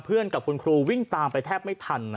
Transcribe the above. กับคุณครูวิ่งตามไปแทบไม่ทัน